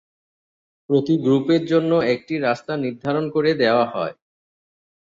প্রতি গ্রুপের জন্য একটি রাস্তা নির্ধারণ করে দেয়া হয়।